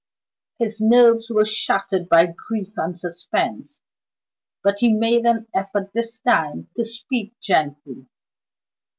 His nerves were shattered by grief and suspense; but he made an effort this time to speak gently.